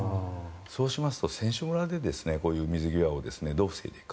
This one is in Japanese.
そうしますと選手村でこういう水際をどう防いでいくか。